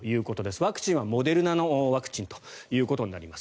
ワクチンはモデルナのワクチンということになります。